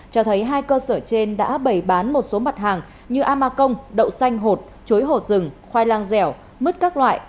cho thấy hai cơ sở trên đã bày bán một số mặt hàng như ama công đậu xanh hột chuối hột rừng khoai lang dẻo mứt các loại